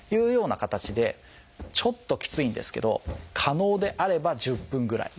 ちょっときついんですけど可能であれば１０分ぐらい。